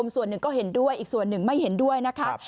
ส่วนหนึ่งก็เห็นด้วยอีกส่วนหนึ่งไม่เห็นด้วยนะคะ